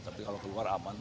tapi kalau keluar aman